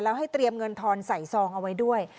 แล้วให้เตรียมเงินทอนใส่ซองเอาไว้ด้วย